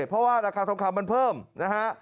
เพราะว่าราคาทองคำมันเพิ่มนะฮะ